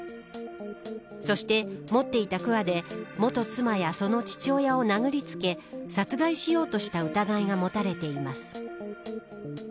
そして、持っていたくわで元妻やその父親を殴りつけ殺害しようとした疑いが持たれています。